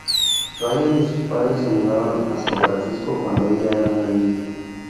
Ryan y sus padres se mudaron a San Francisco cuando ella era una niña.